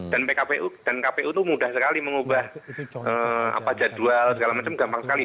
dan pkpu itu mudah sekali mengubah jadwal segala macam gampang sekali